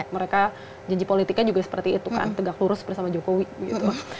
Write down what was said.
mereka janji politiknya juga seperti itu kan tegak lurus bersama jokowi gitu